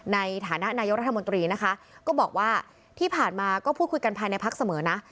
ในฐานะนายกรัฐมนตรีนะคะก็บอกว่าที่ผ่านมาก็พูดคุยกันภายในพักเสมอนะ